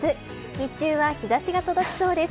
日中は日差しが届きそうです。